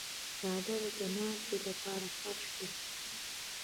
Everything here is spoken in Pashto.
څادر د ناستې لپاره فرش دی.